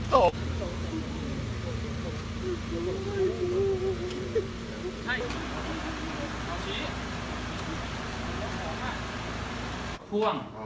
กลับมาเถอะครับ